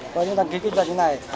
có những đăng ký kinh doanh như thế này